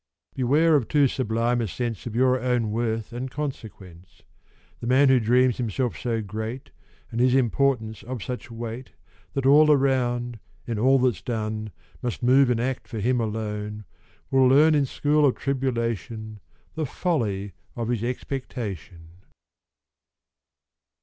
Beware of too sublime a sense Of your own worth and consequence: The man who dreams himself so great, And his importance of such weight, That all around, in all that's done, Must move and act for him alone, Will learn in school of tribulation The folly of his expectation.